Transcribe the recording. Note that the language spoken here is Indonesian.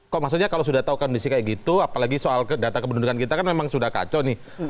kok maksudnya kalau sudah tahu kondisi kayak gitu apalagi soal data kependudukan kita kan memang sudah kacau nih